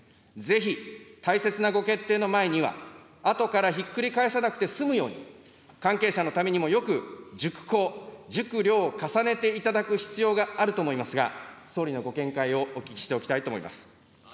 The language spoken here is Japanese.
ぜひ大切なご決定の前には、あとからひっくり返さなくて済むように、関係者のためにもよく熟考・熟慮を重ねていただく必要があると思いますが、総理のご見解をお聞きしておきたいと思います。